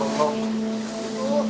kenapa lo bengkok